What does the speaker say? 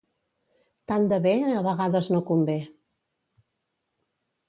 Tant de bé a vegades no convé.